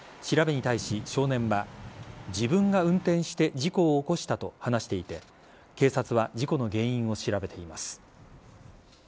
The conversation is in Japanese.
調べに対し少年は自分が運転して事故を起こしたと話していて警察は事故の原因を調べています。